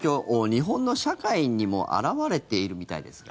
日本の社会にも表れているみたいですが。